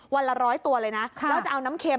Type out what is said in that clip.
วันละ๑๐๐ตัวเลยนะแล้วจะเอาน้ำเค็ม